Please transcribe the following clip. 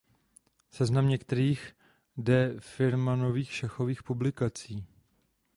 Seznam některých de Firmanových šachových publikací.